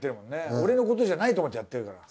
俺のことじゃないと思ってやってるから。